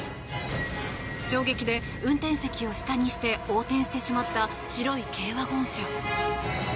衝撃で、運転席を下にして横転してしまった白い軽ワゴン車。